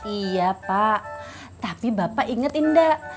iya pak tapi bapak inget tidak